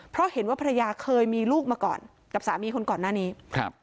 เพราะเห็นว่าภรรยาเคยมีลูกมาก่อนกับสามีคนก่อนหน้านี้ครับ